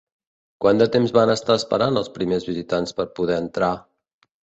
Quant de temps van estar esperant els primers visitants per poder entrar?